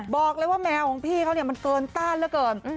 บอกเลยว่าแมวของพี่เขามันเกินตั้นแล้วเกิน